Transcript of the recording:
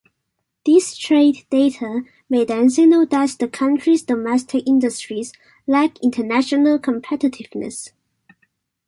This trade data may then signal that the country's domestic industries lack international competitiveness.